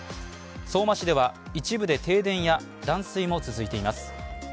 相馬市では一部で停電や断水も続いています。